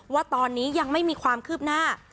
ว่าตอนนี้ยังไม่มีความคืบหน้า